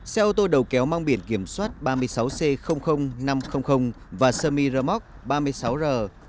xe ô tô đầu kéo mang biển kiểm soát ba mươi sáu c năm trăm linh và semi remote ba mươi sáu r năm mươi